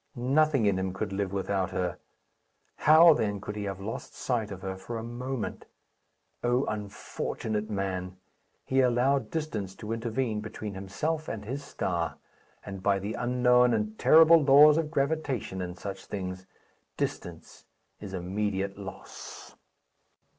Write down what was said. Nothing in him could live without her. How, then, could he have lost sight of her for a moment? O unfortunate man! He allowed distance to intervene between himself and his star and, by the unknown and terrible laws of gravitation in such things, distance is immediate loss.